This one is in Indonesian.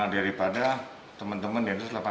daripada teman teman densus delapan puluh